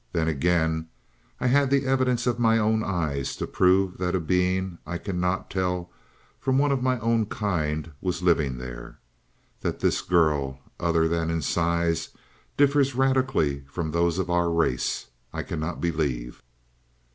Then, again, I had the evidence of my own eyes to prove that a being I could not tell from one of my own kind was living there. That this girl, other than in size, differs radically from those of our race, I cannot believe.